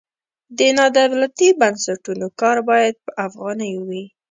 د نادولتي بنسټونو کار باید په افغانیو وي.